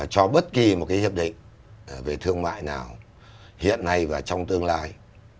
cho bất kỳ một cái hiệp định về thương mại nào hiện nay và trong tương lai